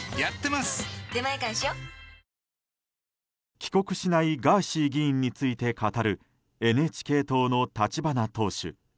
帰国しないガーシー議員について語るＮＨＫ党の立花党首。